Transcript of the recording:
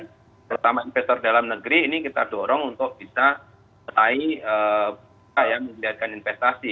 terutama investor dalam negeri ini kita dorong untuk bisa setai ya membiarkan investasi